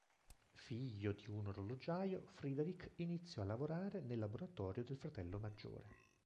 Figlio di un orologiaio, Friedrich iniziò a lavorare nel laboratorio del fratello maggiore.